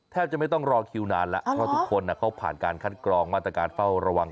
แทบจะไม่ต้องรอคิวตัวนานแล้ว